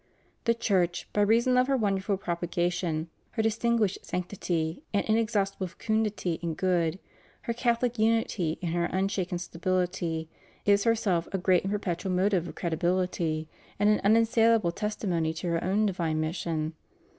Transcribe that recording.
The Church, by reason of her wonderful propagation, her distinguished sanctity, and inexhaustible fecundity in good, her Catholic unity, and her unshaken stability, is herself a great and perpetual motive of credibility, and an unassailable testi mony to her own divine mission."